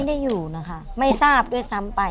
ไม่ได้อยู่นะคะไม่ทราบด้วยซ้ำไป